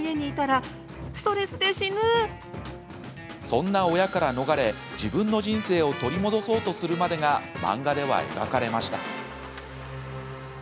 そんな親から逃れ自分の人生を取り戻そうとするまでが漫画では描かれました。